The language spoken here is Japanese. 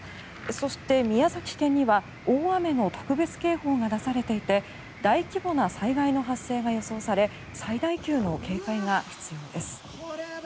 そして、宮崎県には大雨の特別警報が出されていて大規模な災害の発生が予想され最大級の警戒が必要です。